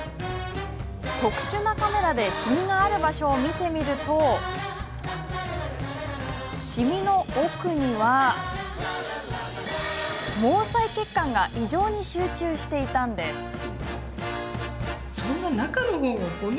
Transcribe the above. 特殊なカメラでシミがある場所を見てみるとシミの奥には毛細血管が異常に集中していたんです。